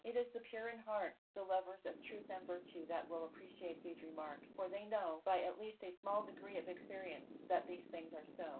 It is the pure in heart, the lovers of truth and virtue, that will appreciate these remarks, for they know, by at least a small degree of experience, that these things are so.